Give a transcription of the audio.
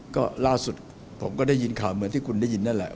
ก็ล่าสุดผมก็ได้ยินข่าวเหมือนที่คุณได้ยินนั่นแหละ